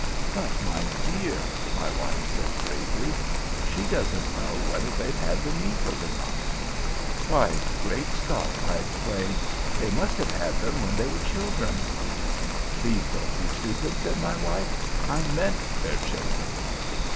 "But, my dear," my wife said, gravely, "she doesn't know whether they've had the measles or not." "Why, Great Scott!" I exclaimed, "they must have had them when they were children." "Please don't be stupid," said my wife. "I meant their children."